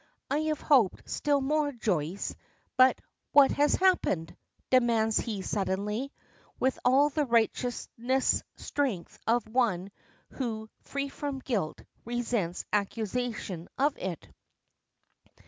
I had hoped still more, Joyce but What has happened?" demands he suddenly, with all the righteous strength of one who, free from guilt, resents accusation of it.